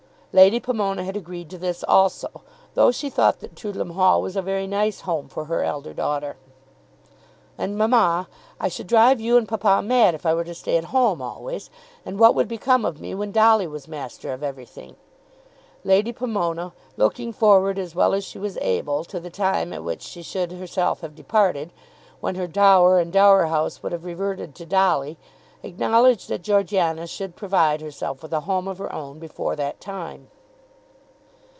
Lady Pomona had agreed to this also, though she thought that Toodlam Hall was a very nice home for her elder daughter. "And, mamma, I should drive you and papa mad if I were to stay at home always. And what would become of me when Dolly was master of everything?" Lady Pomona, looking forward as well as she was able to the time at which she should herself have departed, when her dower and dower house would have reverted to Dolly, acknowledged that Georgiana should provide herself with a home of her own before that time.